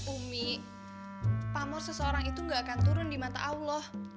umi pamor seseorang itu gak akan turun di mata allah